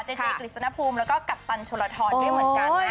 เจเจกฤษณภูมิแล้วก็กัปตันชนลทรด้วยเหมือนกันนะ